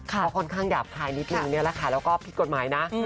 ค่ะคอนข้างอย่างคล้ายนิดนึงและก็ผิดกฏหมายน่ะ